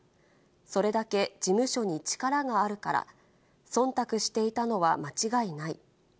それだけ事務所に力があるから、そんたくしていたのは間違いない。